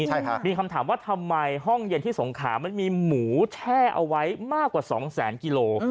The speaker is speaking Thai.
ใช่ค่ะมีคำถามว่าทำไมห้องเย็นที่สงขามันมีหมูแช่เอาไว้มากกว่า๒แสนกิโล